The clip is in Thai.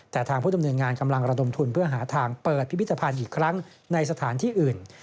แต่ทางผู้ดำเนินงานกำลังระดมทุนเพื่อหาทางเปิดพิพิธภัณฑ์อีกครั้งในสถานที่อื่น